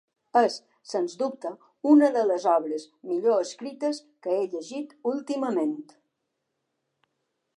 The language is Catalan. És sense dubte una de les obres millor escrites que he llegit últimament.